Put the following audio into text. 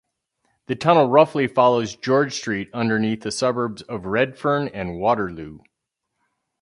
The tunnel roughly follows George Street underneath the suburbs of Redfern and Waterloo.